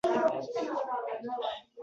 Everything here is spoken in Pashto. کوچنی هلک تر خوټه ميتيازې کوي